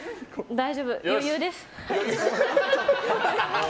大丈夫、余裕です。